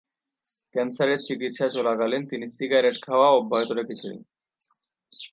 ক্যান্সারের চিকিৎসা চলাকালীন তিনি সিগারেট খাওয়া অব্যাহত রেখেছিলেন।